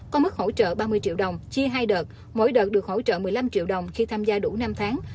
có mức hỗ trợ ba mươi triệu đồng chia hai đợt mỗi đợt được hỗ trợ một mươi năm triệu đồng khi tham gia đủ năm tháng